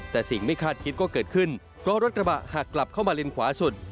แต่สิ่งไม่คาดคิดก็เกิดขึ้นเพราะรถกระบะหากกลับเข้ามาเลนขวาสุด